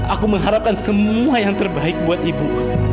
aku mengharapkan semua yang terbaik buat ibu